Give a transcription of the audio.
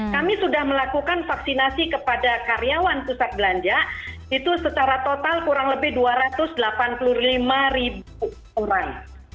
kami sudah melakukan vaksinasi kepada karyawan pusat belanja itu secara total kurang lebih dua ratus delapan puluh lima ribu orang